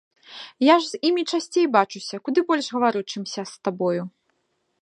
Я ж з імі часцей бачуся, куды больш гавару, чымся з табою.